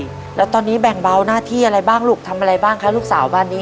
แล้วตอนนี้แบ่งเบาหน้าที่อะไรบ้างลูกทำอะไรบ้างคะลูกสาวบ้านนี้